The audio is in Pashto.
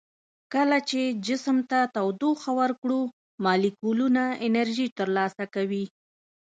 کله چې جسم ته تودوخه ورکړو مالیکولونه انرژي تر لاسه کوي.